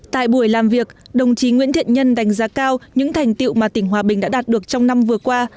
tại buổi làm việc đồng chí nguyễn thiện nhân đánh giá cao những thành tiệu mà tỉnh hòa bình đã đạt được trong năm vừa qua